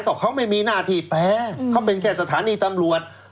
ก็เขาไม่มีหน้าที่แปลเขาเป็นแค่สถานีตำรวจ